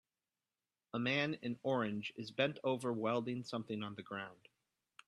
A man in orange is bent over welding something on the ground